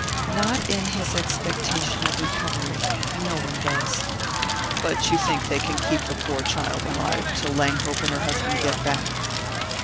"Not in his expectation of recovery no one does." "But you think they can keep the poor child alive till Langhope and her husband get back?"